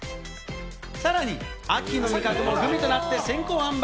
さらに、秋の味覚もグミとなって先行販売。